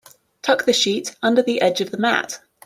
Tuck the sheet under the edge of the mat.